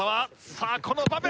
さあこの場面！